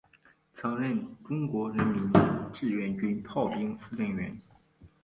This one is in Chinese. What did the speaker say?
曾任中国人民志愿军炮兵司令员。